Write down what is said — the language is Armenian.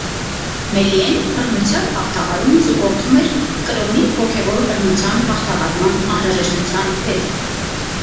Մելիեն բռնության հաղթահարումը զուգորդում էր կրոնի հոգեոր բռնության հաղթահարման անհրաժեշտության հետ։